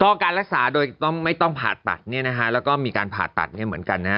การรักษาโดยไม่ต้องผ่าตัดเนี่ยนะฮะแล้วก็มีการผ่าตัดเนี่ยเหมือนกันนะฮะ